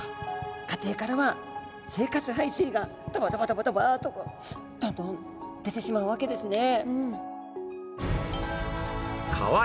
家庭からは生活排水がドバドバドバドバとどんどん出てしまうわけですね。